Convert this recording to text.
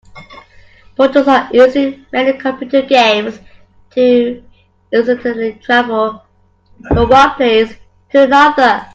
Portals are used in many computer games to instantly travel from one place to another.